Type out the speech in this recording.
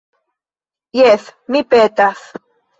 Jes, mi petas.